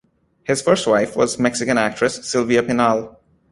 His first wife was Mexican actress Silvia Pinal.